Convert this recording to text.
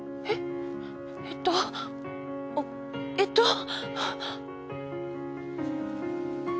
えっとえっと。